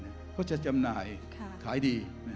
ก็จะจำหน่ายขายดี